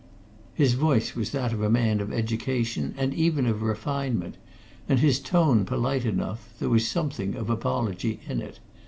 His voice was that of a man of education and even of refinement, and his tone polite enough; there was something of apology in it.